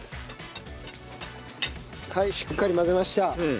はいしっかり混ぜました。